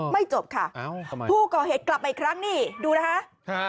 จบค่ะผู้ก่อเหตุกลับมาอีกครั้งนี่ดูนะคะ